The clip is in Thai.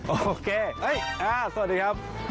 โอเคสวัสดีครับ